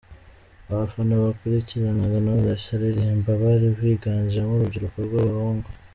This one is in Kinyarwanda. Abafana bakurikiranaga Knowless aririmba bari biganjemo urubyiruko rw'abahungu.